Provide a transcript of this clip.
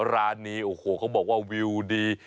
ร้านนี้โอ้โหเขาบอกว่าวิวดี